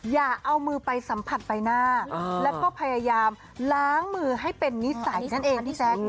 อย่าเอามือไปสัมผัสใบหน้าแล้วก็พยายามล้างมือให้เป็นนิสัยนั่นเองพี่แจ๊ค